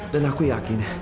dan aku yakin